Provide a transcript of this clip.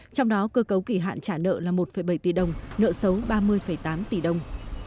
trong đó cơ cấu kỷ hạn trả nợ là một bảy tỷ đồng nợ xấu ba mươi tám tỷ đồng